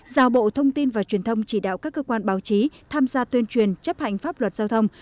giao bộ thông tin và truyền thông chỉ đạo các cơ quan báo chí tham gia tuyên truyền chấp hành pháp luật giao thông